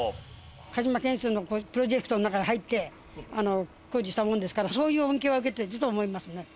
鹿島建設のプロジェクトの中に入って工事したもんですからそういう恩恵は受けていると思いますね。